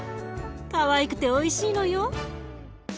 かわいくておいしいのよ。